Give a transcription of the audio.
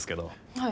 はい。